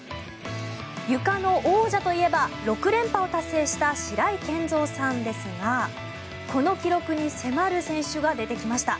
ゆかの王者といえば６連覇を達成した白井健三さんですがこの記録に迫る選手が出てきました。